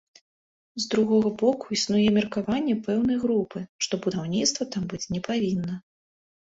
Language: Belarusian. З другога боку, існуе меркаванне пэўнай групы, што будаўніцтва там быць не павінна.